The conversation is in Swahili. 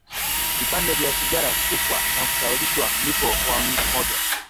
Vipande vya sigara hutupwa na kusababisha mlipuko wa moto